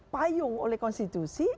payung oleh konstitusi